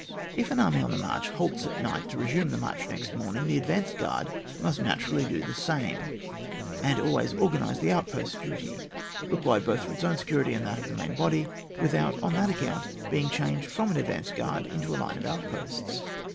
If an army on the march halts at night to resume the march next morning, the advanced guard must naturally do the same, and always organise the outpost duty, required both for its own security and that of the main body, without on that account being changed from an advanced guard into a line of outposts.